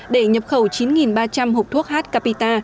để nhập khẩu chín ba trăm linh hộp thuốc h capita